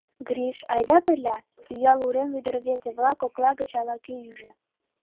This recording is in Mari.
— Гриш, айда пырля, — Уял урем ӱдыр-рвезе-влак кокла гыч ала-кӧ ӱжӧ.